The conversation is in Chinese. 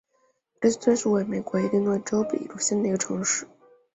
普林斯顿是一个位于美国伊利诺伊州比罗县的城市。